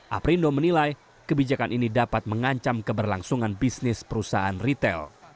aprindo menilai kebijakan ini dapat mengancam keberlangsungan bisnis perusahaan retail